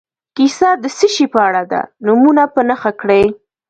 کیسه د څه شي په اړه ده نومونه په نښه کړي.